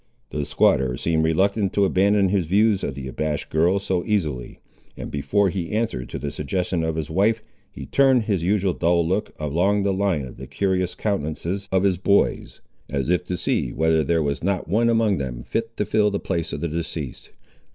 The squatter seemed reluctant to abandon his views of the abashed girl, so easily; and before he answered to the suggestion of his wife, he turned his usual dull look along the line of the curious countenances of his boys, as if to see whether there was not one among them fit to fill the place of the deceased.